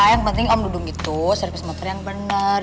yang penting om dudung itu servis motor yang bener